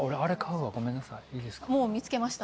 もう見つけました？